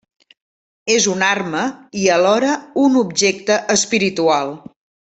És una arma i alhora un objecte espiritual.